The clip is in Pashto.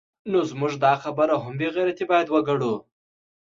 نو زموږ دا خبره هم بې غیرتي باید وګڼو